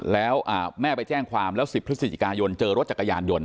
แล้วแม่ไปแจ้งความแล้ว๑๐พฤศจิกายนเจอรถจักรยานยนต